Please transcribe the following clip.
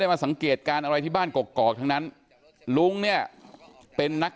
ได้มาสังเกตการอะไรที่บ้านกนะลุงเนี่ยเป็นนัก